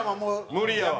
無理やわ。